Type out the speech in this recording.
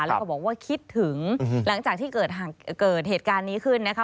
แล้วก็บอกว่าคิดถึงหลังจากที่เกิดเหตุการณ์นี้ขึ้นนะคะ